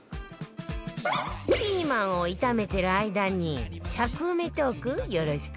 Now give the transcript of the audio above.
ピーマンを炒めてる間に尺埋めトークよろしくね